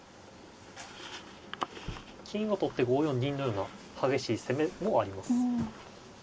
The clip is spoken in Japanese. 金を取って５四銀のような激しい攻めもあります。